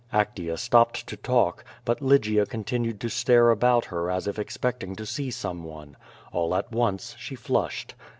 Actea stopped to talk; but Lygia continued to stiu'e about her as if expecting to see some one. All at once she flushed.